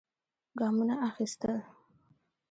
ګامونه اخېستل.